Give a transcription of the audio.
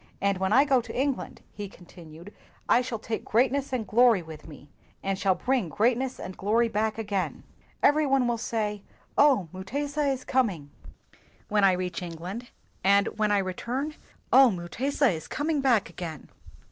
And when I go to England, ' lie continued, ' I shall take greatness and glory with me, and shall bring greatness and glory back again. Every one will say, 'Oh, Mutesa is coming!' when I reach England; and when I return, 'Oh, Mutesa is coming back again!'